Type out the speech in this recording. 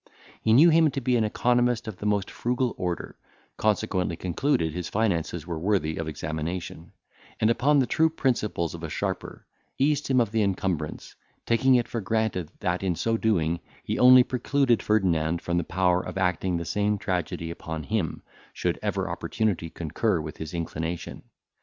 He knew him to be an economist of the most frugal order, consequently concluded his finances were worthy of examination; and, upon the true principles of a sharper, eased him of the encumbrance, taking it for granted, that, in so doing, he only precluded Ferdinand from the power of acting the same tragedy upon him, should ever opportunity concur with his inclination.